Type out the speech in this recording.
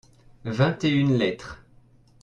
vingt et une lettres.